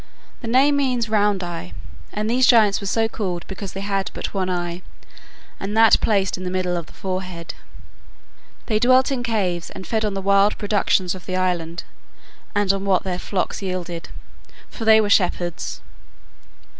The name means "round eye," and these giants were so called because they had but one eye, and that placed in the middle of the forehead. They dwelt in caves and fed on the wild productions of the island and on what their flocks yielded, for they were shepherds.